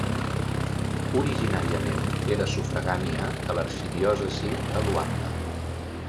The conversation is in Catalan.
Originàriament era sufragània de l'arxidiòcesi de Luanda.